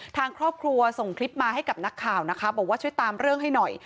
ทางครอบครัวส่งคลิปมาให้กับนักข่าวนะคะบอกว่าช่วยตามเรื่องให้หน่อย